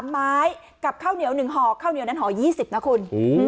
ไม้กับข้าวเหนียว๑ห่อข้าวเหนียวนั้นห่อ๒๐นะคุณ